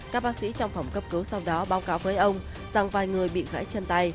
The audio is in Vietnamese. các bác sĩ trong phòng cấp cứu sau đó báo cáo với ông rằng vài người bị gãy chân tay